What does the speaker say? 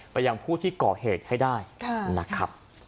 พยายามพูดที่เกาะเหตุให้ได้นะครับ